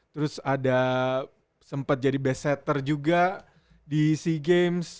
terus ada sempat jadi best setter juga di seagames